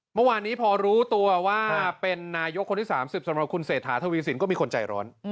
เมื่อวานนี้พอรู้ตัวว่าเป็นนายกคนที่๓๐สำหรับคุณเศรษฐาทวีสินก็มีคนใจร้อน